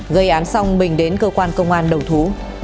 gây án xong bình đến cơ quan công an đầu thú